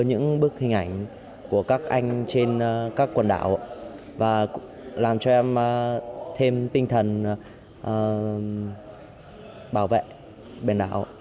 những bức hình ảnh của các anh trên các quần đảo và làm cho em thêm tinh thần bảo vệ biển đảo